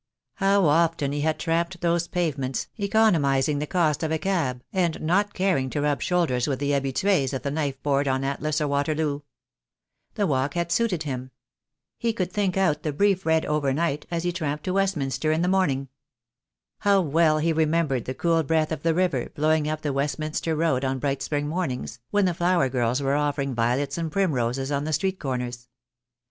How often he had tramped those pavements, economizing the cost of a cab, and not caring to rub shoulders with the habitues of the knife board on Atlas or Waterloo. The walk had suited him. He could think out the brief read overnight as he tramped to Westminster in the THE DAY WILL COME. 2 $g morning. How well he remembered the cool breath of the river blowing up the Westminster' Road on bright spring mornings, when the flower girls were offering violets and primroses at the street corners.